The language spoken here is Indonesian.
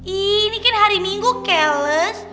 ini kan hari minggu cales